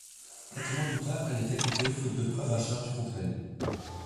Quatre mois plus tard elle est acquittée faute de preuve à charge contre elle.